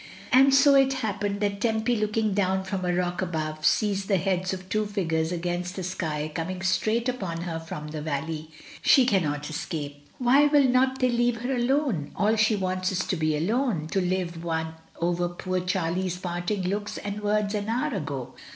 And so it happened, that Tempy, looking down from a rock above, sees the heads of two figures against the sky coming straight upon her from the valley. She cannot escape. THREE ON A HELL SIDE. 243 Why will not they leave her alone? All she wants is to be alone, to live over poor Charlie's parting looks and words an hour ago.